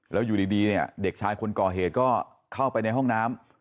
แล้วอยู่ดีเนี่ยเด็กชายคนก่อเหตุก็เข้าไปในห้องน้ำ